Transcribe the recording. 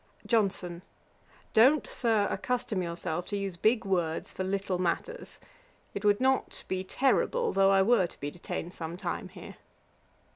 JOHNSON. 'Don't, Sir, accustom yourself to use big words for little matters. It would not be terrible, though I were to be detained some time here.'